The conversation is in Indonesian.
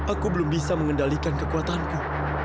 aku belum bisa mengendalikan kekuatanku